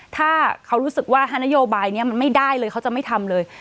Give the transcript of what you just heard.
ถ้าเขารู้สึกว่าฮานโยบายนี้มันไม่ได้เลยเขาจะไม่ทำเลย